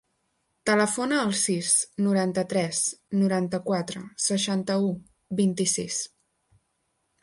Telefona al sis, noranta-tres, noranta-quatre, seixanta-u, vint-i-sis.